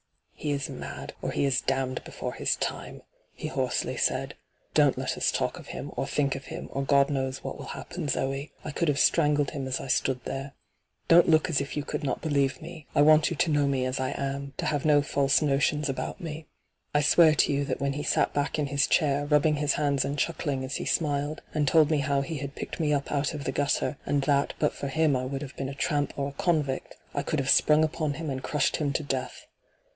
' He is mad, or he is damned before his time !' he hoarsely said. ' Don't let us talk of him or think of him, or God knows what will happen, Zee. I could have strangled him as I stood there. Don't look as if you could not believe me. I want you to know mc as I am — to have no false notions about me. I swear to you that when he sat back in his chair, rubbing his hands and chuckling as he smiled, and told me how he had picked me up out of the gutter, and that but for him 1 would have been a tramp or a convict, I could have sprung upon him and crushed him to death.